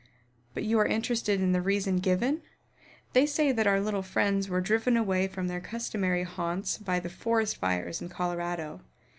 But you are interested in the reason given? They say that our little friends were driven away from their customary haunts by the forest fires in Colorado.